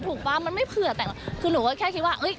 ถูกปะมันไม่เผื่อแต่งคือหนูก็แค่คิดว่าเอ้ย